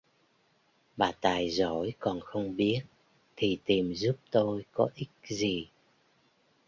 bà tài giỏi còn không biết thì tìm giúp tôi có ích gì